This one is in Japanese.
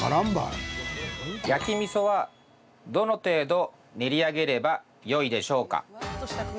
焼きみそは、どの程度練り上げればよいでしょうか？